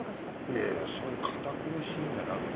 いやいやそういう堅苦しいんじゃなくてね。